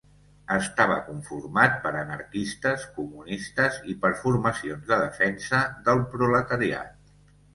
Estava conformat per anarquistes, comunistes i per formacions de defensa del proletariat.